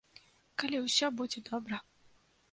Калі ўсё будзе добра.